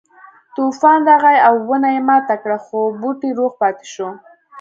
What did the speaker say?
طوفان راغی او ونه یې ماته کړه خو بوټی روغ پاتې شو.